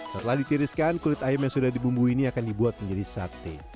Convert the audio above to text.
setelah ditiriskan kulit ayam yang sudah dibumbui ini akan dibuat menjadi sate